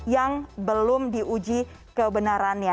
yang belum diuji kebenarannya